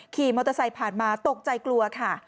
ขี่มอเตอร์ไซค์ผ่านมาตกใจกลัวค่ะ